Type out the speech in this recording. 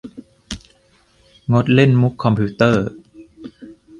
งดเล่นมุขคอมพิวเตอร์